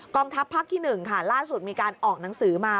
ทัพภาคที่๑ค่ะล่าสุดมีการออกหนังสือมา